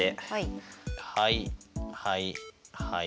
はいはいはい。